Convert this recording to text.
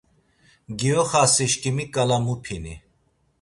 Giyoxasi şǩimi ǩala mupini,